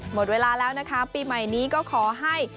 หมดเวลาแล้วนะคะปีใหม่นี้ก็ขอให้